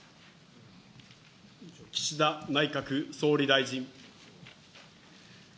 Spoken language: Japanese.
岸田内閣総理大臣。